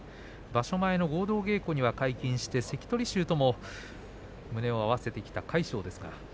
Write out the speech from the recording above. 場所前の合同稽古には皆勤して関取衆と胸を合わせてきた魁勝です。